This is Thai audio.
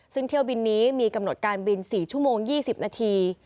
ซึ่งเที่ยวบินนี้มีกำหนดการบิน๔ชั่วโมง๒๐นาที